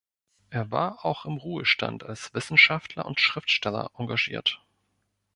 Er war auch im Ruhestand als Wissenschaftler und Schriftsteller engagiert.